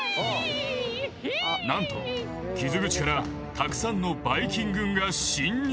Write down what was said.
なんと傷口からたくさんのバイ菌軍が侵入。